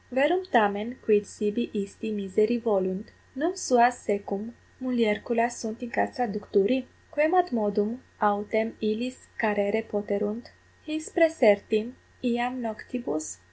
Verum tamen quid sibi isti miseri volunt? num suas secum mulierculas sunt in castra ducturi? Quemadmodum autem illis carere poterunt, his praesertim iam noctibus?